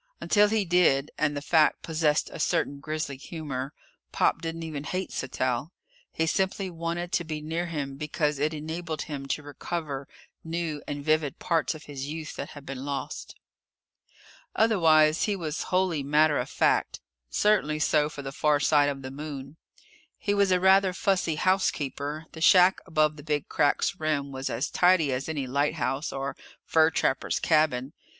Until he did and the fact possessed a certain grisly humor Pop didn't even hate Sattell. He simply wanted to be near him because it enabled him to recover new and vivid parts of his youth that had been lost. Otherwise, he was wholly matter of fact certainly so for the far side of the Moon. He was a rather fussy housekeeper. The shack above the Big Crack's rim was as tidy as any lighthouse or fur trapper's cabin.